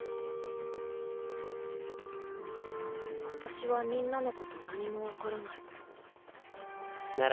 私はみんなのこと何も分からないなら